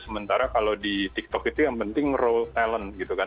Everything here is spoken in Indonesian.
sementara kalau di tiktok itu yang penting role talent gitu kan